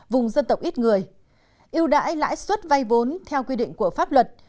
vùng dân tộc ít người ưu đãi lãi xuất vay vốn theo quy định của pháp luật